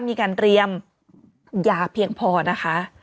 มีการเตรียมยาเพียงพอนะคะ